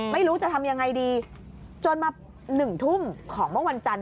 ไม่รู้จะทำยังไงดีจนมา๑ทุ่มของเมื่อวันจันทร์